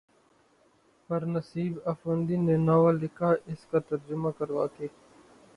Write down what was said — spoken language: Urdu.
پر نسیب آفندی نے ناول لکھا، اس کا ترجمہ کروا کے